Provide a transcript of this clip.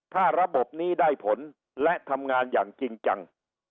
ถ้าระบบนี้ได้ผลและทำงานอย่างจริงจัง